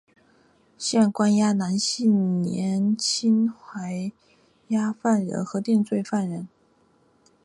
现关押男性年青还押犯人和定罪犯人。